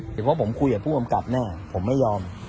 ดีกว่าผมคุยกับผู้กำกัดแน่ผมไม่ยอม